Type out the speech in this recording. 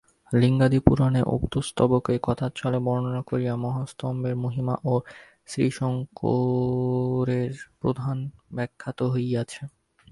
লিঙ্গাদি পুরাণে উক্ত স্তবকেই কথাচ্ছলে বর্ণনা করিয়া মহাস্তম্ভের মহিমা ও শ্রীশঙ্করের প্রাধান্য ব্যাখ্যাত হইয়াছে।